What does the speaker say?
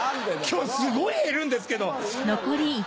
今日すごい減るんですけど。